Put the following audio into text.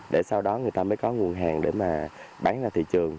để sau đó người ta mới có nguồn hàng để mà bán ra thị trường